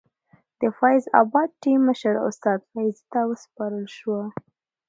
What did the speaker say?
د فیض اباد ټیم مشر استاد فیضي ته وسپارل شوه.